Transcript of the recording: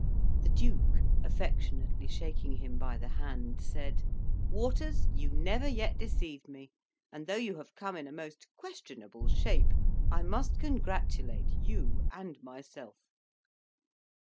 The duke, affectionately shaking him by the hand, said "Waters, you never yet deceived me; and though you have come in a most questionable shape, I must congratulate you and myself."